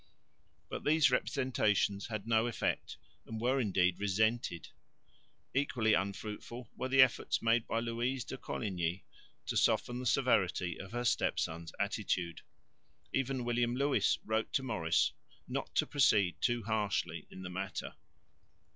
But these representations had no effect and were indeed resented. Equally unfruitful were the efforts made by Louise de Coligny to soften the severity of her step son's attitude. Even William Lewis wrote to Maurice not to proceed too harshly in the matter.